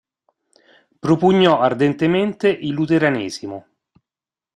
Propugnò ardentemente il luteranesimo.